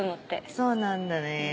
そうなんだね。